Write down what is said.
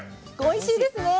おいしいですね！